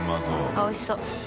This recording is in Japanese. あっおいしそう。